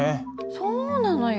そうなのよ。